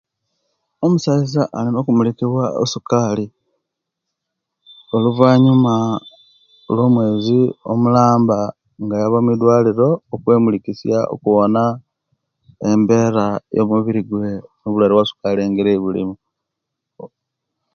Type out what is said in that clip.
Omusaiza alina okumulikiwa osukali oluvanyuma luwo mwezi omulamba nga ayaba mudwaliro okwemulikisiya okubona embera eyo'mubirigwe no'bulwaire obwa'sukali engeri ejebulimu